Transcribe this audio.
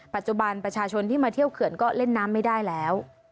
ปัจจุบันประชาชนที่มาเที่ยวเขื่อนก็เล่นน้ำไม่ได้แล้ว